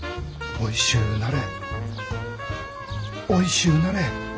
おいしゅうなれ。